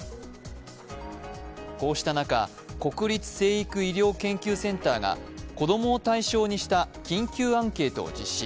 こうした中、国立成育医療研究センターが子供を対象にした緊急アンケートを実施。